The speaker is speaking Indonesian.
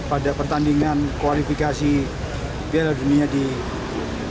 pada pertandingan kualifikasi pihak dunia di jawa timur